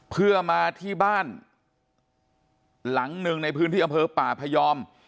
เพื่อมาที่บ้านหลังหนึ่งในพื้นที่อำเภอป่าพยอม